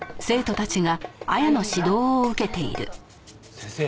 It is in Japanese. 先生。